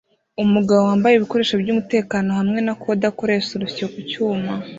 Umugabo wambaye ibikoresho byumutekano hamwe na kode akoresha urusyo ku cyuma